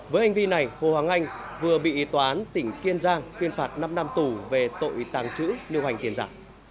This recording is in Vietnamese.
với hành vi này hồ hoàng anh vừa bị tòa án tỉnh kiên giang tuyên phạt năm năm tù về tội tàng trữ lưu hành tiền giả